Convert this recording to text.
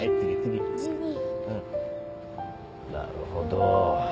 なるほど。